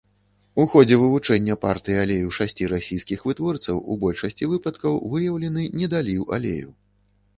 У ходзе вывучэння партый алею шасці расійскіх вытворцаў у большасці выпадкаў выяўлены недаліў алею.